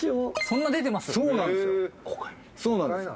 そんな出てます？